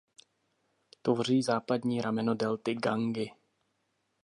Tvoří západní rameno delty Gangy.